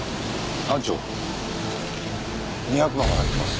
班長２００万は入ってます。